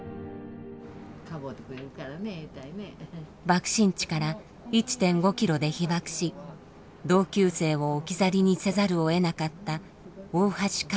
爆心地から１．５ｋｍで被爆し同級生を置き去りにせざるをえなかった大橋和子さん。